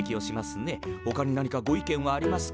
ほかに何かご意見はありますか？